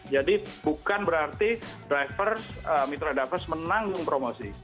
jadi bukan berarti driver mitra driver menanggung promosi